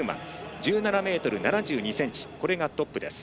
１７ｍ２３ｃｍこれがトップです。